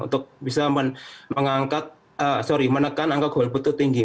untuk bisa menekan angka golput itu tinggi